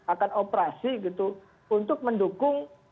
akan operasi gitu untuk mendukung